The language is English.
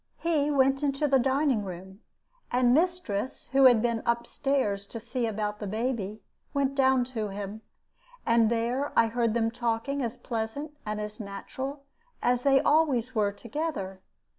"He went into the dining room, and mistress, who had been up stairs to see about the baby, went down to him; and there I heard them talking as pleasant and as natural as they always were together.